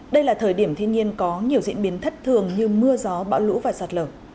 đây là thời điểm thiên nhiên có nhiều diễn biến thất thường như mưa gió bão lũ và sạt lở